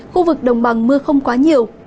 khu vực đồng bằng mưa không quá nhiều